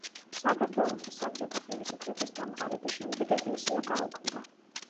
საქართველოში საბჭოთა ხელისუფლების დამყარების შემდეგ ეკლესია გაუქმდა.